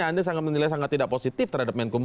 anda menilai sangat tidak positif terhadap menkumham